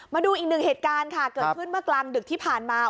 มาดูอีกหนึ่งเหตุการณ์ค่ะเกิดขึ้นเมื่อกลางดึกที่ผ่านมา